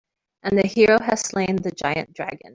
And the hero has slain the giant dragon.